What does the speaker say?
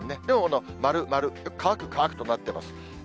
でも丸、丸、乾く、乾くとなってます。